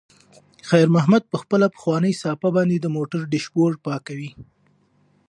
خیر محمد په خپله پخوانۍ صافه باندې د موټر ډشبورډ پاکوي.